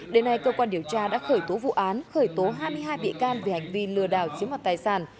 đến nay cơ quan điều tra đã khởi tố vụ án khởi tố hai mươi hai bị can về hành vi lừa đảo chiếm hoạt tài sản